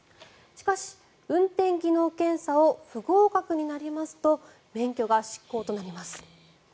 しかし、運転技能検査を不合格になりますと免許が失効となります。